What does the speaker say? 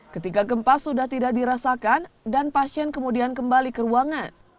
ketika gempa sudah tidak dirasakan dan pasien kemudian kembali ke ruangan